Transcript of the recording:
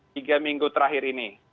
hingga minggu terakhir ini